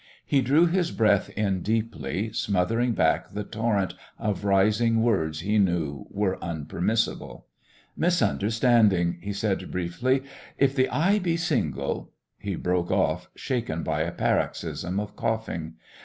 He drew his breath in deeply, smothering back the torrent of rising words he knew were unpermissible. "Misunderstanding," he said briefly. "If the eye be single " He broke off, shaken by a paroxysm of coughing.